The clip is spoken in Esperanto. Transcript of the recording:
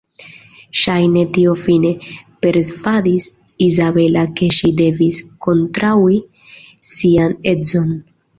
Ŝajne tio fine persvadis Izabela ke ŝi devis kontraŭi sian edzon.